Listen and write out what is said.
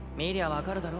分かるだろ。